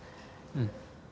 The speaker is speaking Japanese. うん。